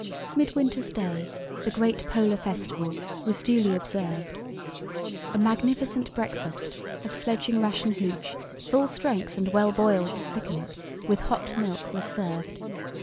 Midwinter's day, the great Polar festival, was duly observed. A "magnificent breakfast" of sledging ration hoosh, full strength and well boiled to thicken it, with hot milk was served.